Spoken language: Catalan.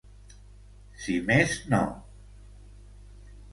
Si més no.